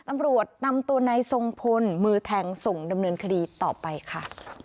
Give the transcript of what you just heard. ตำรวจนำตัวนายทรงพลมือแทงส่งดำเนินคดีต่อไปค่ะ